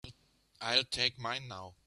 I'll take mine now.